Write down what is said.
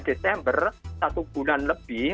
desember satu bulan lebih